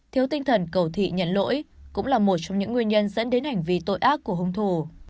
thiếu tinh thần cầu thị nhận lỗi cũng là một trong những nguyên nhân dẫn đến hành vi tội ác của hung thủ